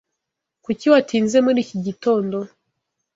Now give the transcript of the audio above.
Kuki watinze muri iki gitondo?